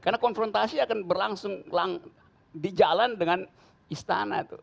karena konfrontasi akan berlangsung di jalan dengan istana